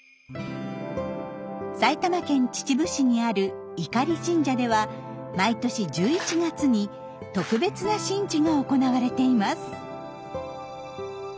埼玉県秩父市にある猪狩神社では毎年１１月に特別な神事が行われています。